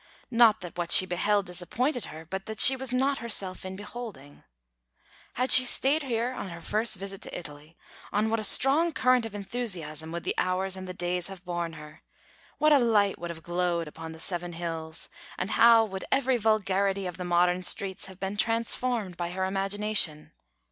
Not that what she beheld disappointed her, but that she was not herself in beholding. Had she stayed here on her first visit to Italy, on what a strong current of enthusiasm would the hours and the days have borne her! What a light would have glowed upon the Seven Hills, and how would every vulgarity of the modern streets have been transformed by her imagination!